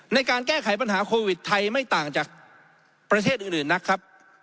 ในการแก้ไขปัญหาโควิดไทยไม่ต่างจากประเทศอื่นนะครับ